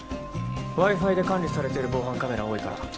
Ｗｉ−Ｆｉで管理されてる防犯カメラ多いから。